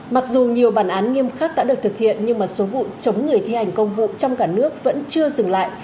mặc dù nhiều bản án nghiêm khắc đã được thực hiện nhưng số vụ chống người thi hành công vụ trong cả nước vẫn chưa dừng lại